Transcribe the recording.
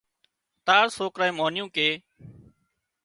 تار سوڪرانئي مانيُون ڪي